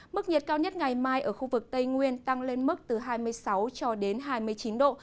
mức nhiệt cao nhất ngày mai ở khu vực tây nguyên tăng lên mức từ hai mươi sáu cho đến hai mươi chín độ